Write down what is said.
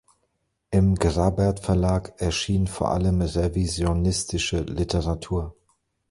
Im Grabert-Verlag erschien vor allem revisionistische Literatur.